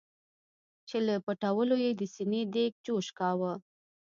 چې له پټولو یې د سینې دیګ جوش کاوه.